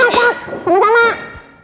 tak tak tak